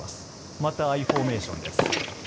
またアイフォーメーションです。